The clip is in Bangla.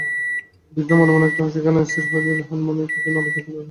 বৃদ্ধ মনে মনে একটুখানি হাসিয়া স্থির করিলেন, হেমনলিনীর প্রতি নলিনাক্ষের মন পড়িয়াছে।